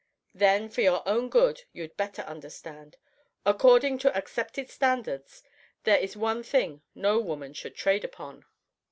"Then, for your own good, you'd better understand. According to accepted standards, there is one thing no woman should trade upon."